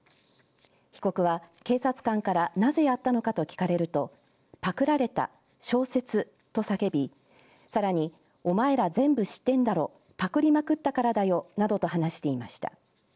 被告は警察官からなぜやったのかと聞かれるとぱくられた、小説と叫びさらにおまえら全部知ってんだろぱくりまくったからだよと話していました。